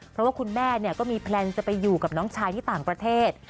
เพราะว่าคุณแม่ก็มีแพลนจะไปอยู่กับน้องชายที่ต่างประเทศ